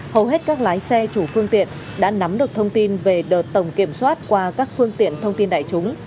hầu hết các lái xe chủ phương tiện đã nắm được thông tin về đợt tổng kiểm soát qua các phương tiện thông tin đại chúng